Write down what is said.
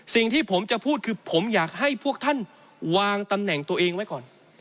สิ่งที่ผมจะพูดคือผมอยากให้พวกท่านวางตำแหน่งตัวเองไว้ก่อน